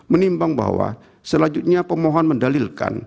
menimbang bahwa selanjutnya pemohon mendalilkan